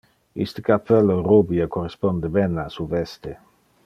Iste cappello rubie corresponde ben a su veste.